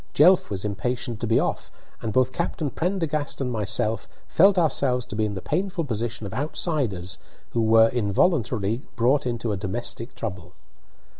Jelf was impatient to be off, and both Captain Prendergast and myself felt ourselves to be in the painful position of outsiders who are involuntarily brought into a domestic trouble.